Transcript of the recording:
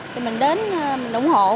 thì mình đến